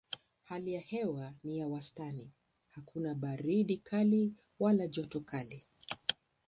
Hali ya hewa ni ya wastani: hakuna baridi kali wala joto kali.